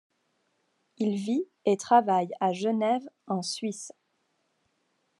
Il vit et travaille à Genève en Suisse.